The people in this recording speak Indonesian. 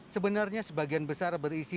sebenarnya sebagian besar berisi